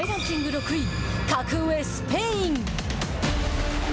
６位格上スペイン。